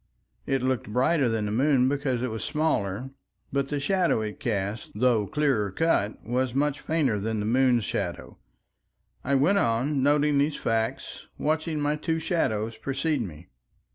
It looked brighter than the moon because it was smaller, but the shadow it cast, though clearer cut, was much fainter than the moon's shadow. .. I went on noting these facts, watching my two shadows precede me.